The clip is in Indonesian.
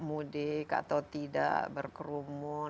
mudik atau tidak berkerumun